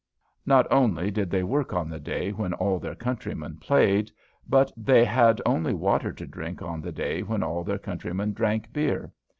Not only did they work on the day when all their countrymen played, but they had only water to drink on the day when all their countrymen drank beer.